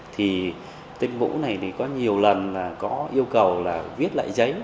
thì tên vũ này thì có nhiều lần là có yêu cầu là viết lại giấy